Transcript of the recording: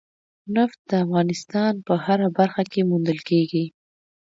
نفت د افغانستان په هره برخه کې موندل کېږي.